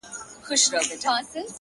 o ته له قلف دروازې. یو خروار بار باسه.